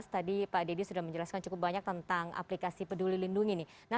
tadi pak dedy sudah menjelaskan cukup banyak tentang aplikasi peduli lindungi nih